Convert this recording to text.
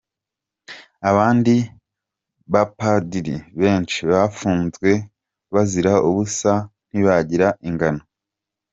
Abandi bapadiri benshi, bafunzwe bazira ubusa, ntibagira ingano.